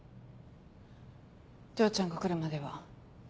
丈ちゃんが来るまでは。